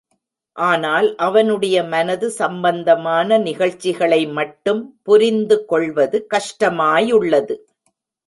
ஆனால், அவனுடைய மனது சம்பந்தமான நிகழ்ச்சிகளை மட்டும் புரிந்து கொள்வது கஷ்டமாயுள்ளது.